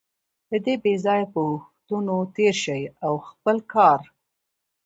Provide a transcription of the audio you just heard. له دې بېځایه پوښتنو تېر شئ او خپل کار.